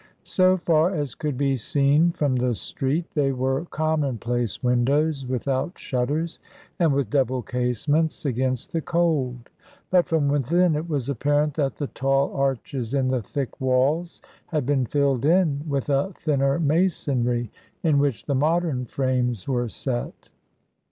So far as could be seen from the street, they were commonplace windows without shutters and with double casements against the cold, but from within it was apparent that the tall arches in the thick walls had been filled in with a thinner masonry in which the modern frames were set.